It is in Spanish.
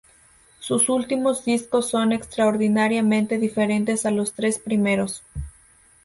Sus últimos discos son extraordinariamente diferentes a los tres primeros.